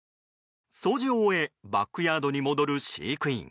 掃除を終え、バックヤードに戻る飼育員。